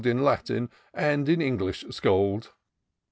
In Latin and in English scold."